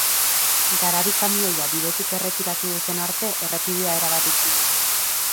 Garabi-kamioia bidetik erretiratu duten arte, errepidea erabat itxi dute.